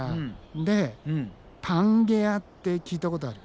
でパンゲアって聞いたことある？